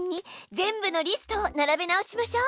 全部のリストを並べ直しましょう。